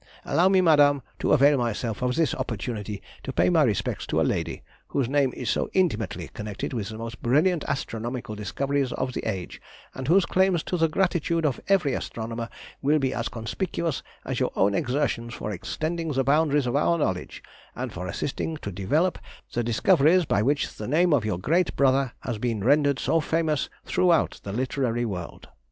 Allow me, madame, to avail myself of this opportunity to pay my respects to a lady, whose name is so intimately connected with the most brilliant astronomical discoveries of the age, and whose claims to the gratitude of every astronomer will be as conspicuous as your own exertions for extending the boundaries of our knowledge, and for assisting to develope the discoveries by which the name of your great brother has been rendered so famous throughout the literary world.